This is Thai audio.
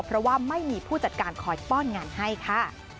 เพราะว่าไม่มีผู้จัดการคอยป้อนงานให้ค่ะ